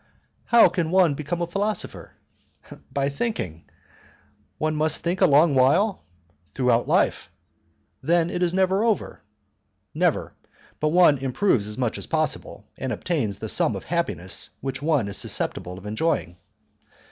"How can one become a philosopher?" "By thinking." "Must one think a long while?" "Throughout life." "Then it is never over?" "Never; but one improves as much as possible, and obtains the sum of happiness which one is susceptible of enjoying."